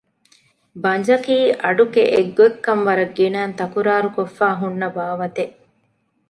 ބަނޖަކީ އަޑުގެ އެއްގޮތްކަން ވަރަށް ގިނައިން ތަކުރާރުކޮށްފައި ހުންނަ ބާވަތެއް